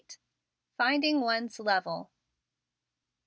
FINDING ONE'S LEVEL.